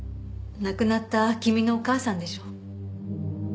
亡くなった君のお母さんでしょ？